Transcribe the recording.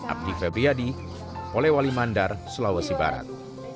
abdi febriyadi oleh wali mandar sulawesi barat